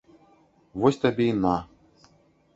Вось табе і на.